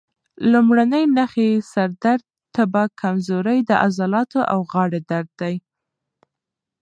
لومړنۍ نښې یې سر درد، تبه، کمزوري، د عضلاتو او غاړې درد دي.